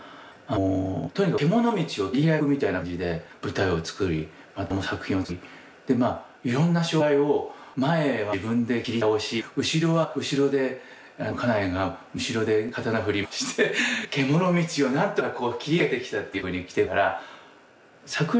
とにかく獣道を切り開くみたいな感じで舞台を作りまた作品を作りでまあいろんな障害を前は自分で切り倒し後ろは後ろで家内が後ろで刀振り回して獣道をなんとかこう切り抜けてきたっていうふうに来ていましたから。